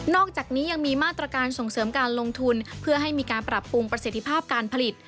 อกจากนี้ยังมีมาตรการส่งเสริมการลงทุนเพื่อให้มีการปรับปรุงประสิทธิภาพการผลิต